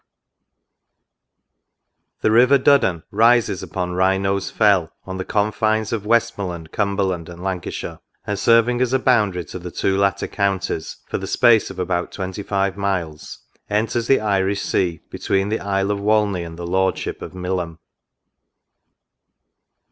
B A The River Duddon rises upon Wrynose Tell, on the confines of Westmorland, Cumberland, and Lanca shire ; ayid, serm7ig as a boundary to the tnsoo latter counties, for the space of about twenty five miles, enters the Irish sea, between the isle of Walney and the lordship of Milium, I.